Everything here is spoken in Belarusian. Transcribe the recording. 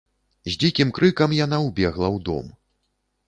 З дзікім крыкам яна ўбегла ў дом.